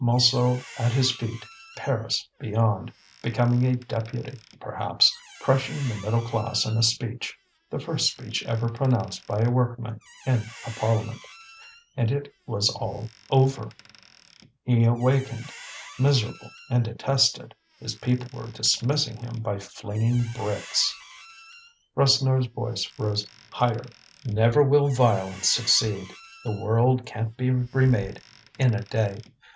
Montsou at his feet, Paris beyond, becoming a deputy perhaps, crushing the middle class in a speech, the first speech ever pronounced by a workman in a parliament. And it was all over! He awakened, miserable and detested; his people were dismissing him by flinging bricks. Rasseneur's voice rose higher: "Never will violence succeed; the world can't be remade in a day.